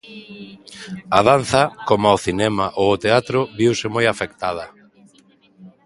A danza, como o cinema ou o teatro, viuse moi afectada.